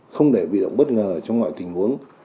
không để bị động bất ngờ trong mọi tình huống